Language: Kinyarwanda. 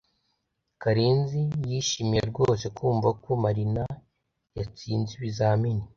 Karenzi yishimiye rwose kumva ko Marina yatsinze ibizamini.